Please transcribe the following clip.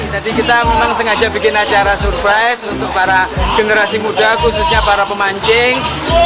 jadi kita memang sengaja bikin acara surprise untuk para generasi muda khususnya para pemancing